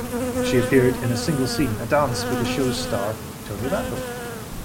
She appeared in a single scene, a dance with the show's star, Tony Randall.